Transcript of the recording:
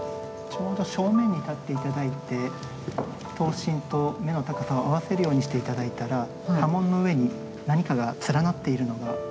ちょうど正面に立って頂いて刀身と目の高さを合わせるようにして頂いたら刃文の上に何かが連なっているのが。